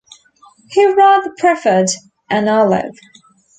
He rather preferred an olive.